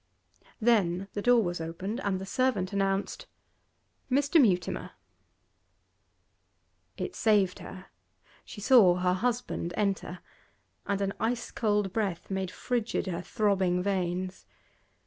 Then the door was opened and the servant announced 'Mr. Mutimer.' It saved her. She saw her husband enter, and an ice cold breath made frigid her throbbing veins.